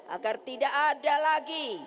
agar tidak ada lagi